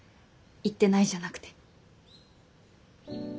行ってないじゃなくて。